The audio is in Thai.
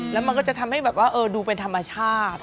แล้วมันก็จะทำให้แบบว่าดูเป็นธรรมชาติ